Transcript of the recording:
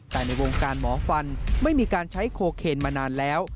แต่ในวงการหมอฟันไม่มีการใช้โคเคนมานานแล้ว